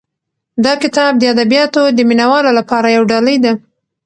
دا کتاب د ادبیاتو د مینه والو لپاره یو ډالۍ ده.